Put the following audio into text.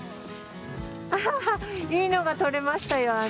アハハいいのが撮れましたよ